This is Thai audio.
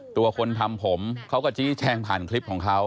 ตัวคนทำผมเขาก็ชี้แจงผ่านคลิปของเขา